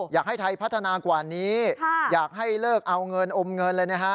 อยากให้ไทยพัฒนากว่านี้อยากให้เลิกเอาเงินอมเงินเลยนะฮะ